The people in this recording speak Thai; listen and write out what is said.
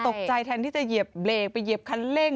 ตกใจแทนที่จะเหยียบเบรกไปเหยียบคันเร่ง